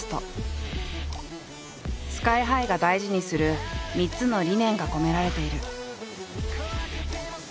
ＳＫＹ−ＨＩが大事にする３つの理念が込められている。